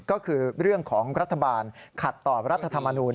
ก็คือเรื่องของรัฐบาลขัดต่อรัฐธรรมนูล